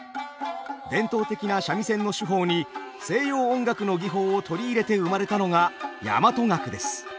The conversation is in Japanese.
伝統的な三味線の手法に西洋音楽の技法を取り入れて生まれたのが大和楽です。